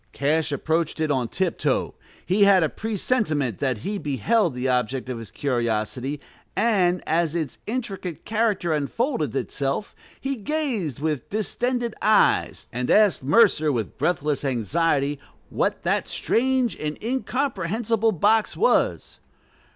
Cash approached it on tiptoe; he had a presentiment that he beheld the object of his curiosity, and, as its intricate character unfolded itself, he gazed with distended eyes, and asked Mercer, with breathless anxiety, what that strange and incomprehensible box was.